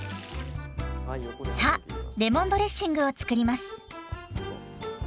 さあレモンドレッシングを作ります。